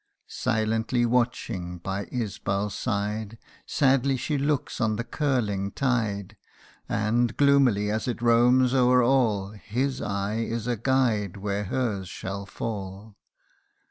Silently watching by IsbaPs side, Sadly she looks on the curling tide ; And, gloomily as it roams o'er all, His eye is a guide where hers shall fall.